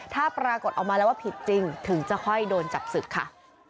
ถ้าปรากฏออกมาแล้วว่าผิดจริงถึงจะค่อยโดนจับศึกค่ะ